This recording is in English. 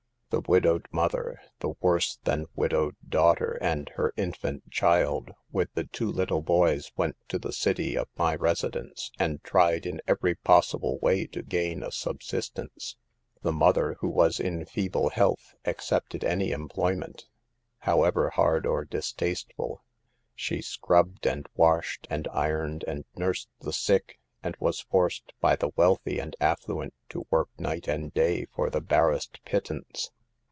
The widowed mother, the worse than widowed daughter and her infant child, with the two little boys went to the city of my residence, and tried in every possible way to gain a sub sistence. The mother, who was in feeble health, accepted any employment, however hard or distasteful. She scrubbed, and washed, and ironed, and nursed the sick, and was forced, by the wealthy and affluent, to work night and day for the barest pittance.